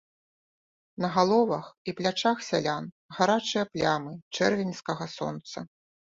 На галовах і плячах сялян гарачыя плямы чэрвеньскага сонца.